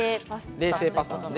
冷製パスタなので。